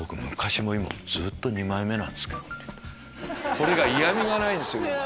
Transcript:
これが嫌みがないんですよ。